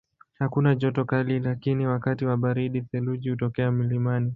Hakuna joto kali lakini wakati wa baridi theluji hutokea mlimani.